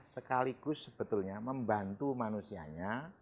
sekaligus sebetulnya membantu manusianya